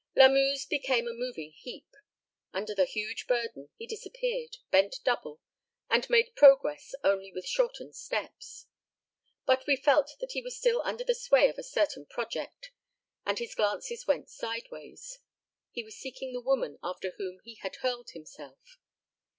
Lamuse became a moving heap. Under the huge burden he disappeared, bent double, and made progress only with shortened steps. But we felt that he was still under the sway of a certain project, and his glances went sideways. He was seeking the woman after whom he had hurled himself.